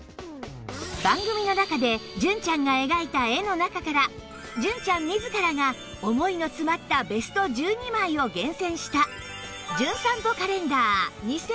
番組の中で純ちゃんが描いた絵の中から純ちゃん自らが思いの詰まったベスト１２枚を厳選した